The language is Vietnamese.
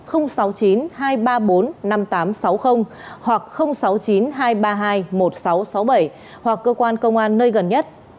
sáu mươi chín hai trăm ba mươi bốn năm nghìn tám trăm sáu mươi hoặc sáu mươi chín hai trăm ba mươi hai một nghìn sáu trăm sáu mươi bảy hoặc cơ quan công an nơi gần nhất